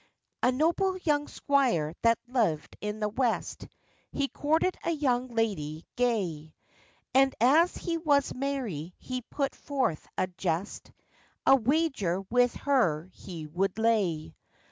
] A NOBLE young squire that lived in the West, He courted a young lady gay; And as he was merry he put forth a jest, A wager with her he would lay.